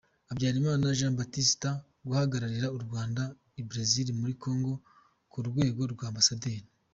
Habyarimana Jean Baptiste guhagararira u Rwanda i Brazzaville muri Congo, ku rwego rwa Ambasaderi.